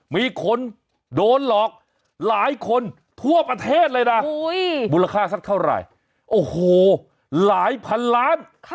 มีคนโดนหลอกหลายคนทั่วประเทศเลยนะมูลค่าสักเท่าไหร่โอ้โหหลายพันล้าน